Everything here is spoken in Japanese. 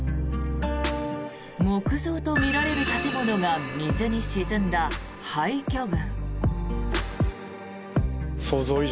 木造とみられる建物が水に沈んだ廃虚群。